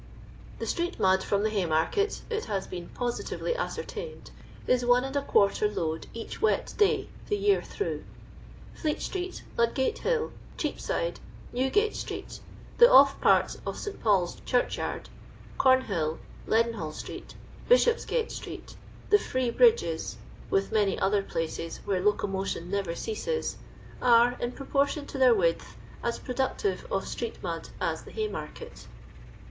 The street mud firom the Haymarket, it has been positively ascertained, is 1 ^ load each wet day the year through. Fleet street, Ludgate hill, Cheap side, Newgate street, the '* off" parts of St. Paul's Church yard, Comhill, Lcadenhall street, Bishops gate Btreet, the free bridges, with many other places where locomotion never ceases, are, in pro portion to their width, as productive of street mud as the Haymarket.